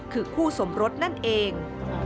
คือคู่สมรสนั่นเอง